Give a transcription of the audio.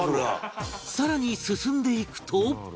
更に進んでいくと